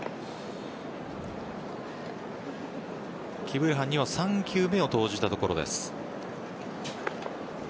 キブレハンには３球目を投じたところです。